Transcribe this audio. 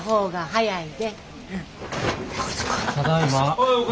はい。